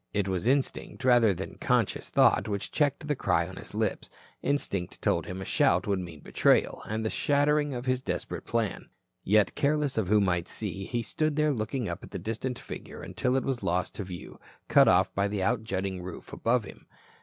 It was instinct rather than conscious thought which checked the cry on his lips. Instinct told him a shout would mean betrayal, and the shattering of his desperate plan. Yet careless of who might see, he stood there looking up at the distant figure until it was lost to view, cut off by the outjutting roof above him.